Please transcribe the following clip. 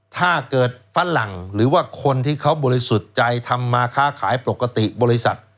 ถ้าเกิดฝรั่งหรือว่าคนที่เขาบริสุทธิ์ใจทำมาค้าขายปกติบริษัท